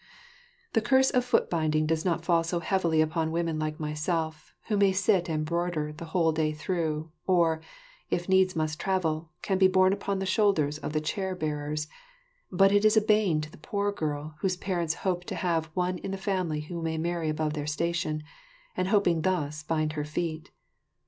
The curse of foot binding does not fall so heavily upon women like myself, who may sit and broider the whole day through, or, if needs must travel, can be borne upon the shoulders of their chair bearers, but it is a bane to the poor girl whose parents hope to have one in the family who may marry above their station, and hoping thus, bind her feet.